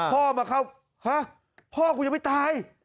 พ่อมาเข้าฮะพ่อกูยังไม่ตาย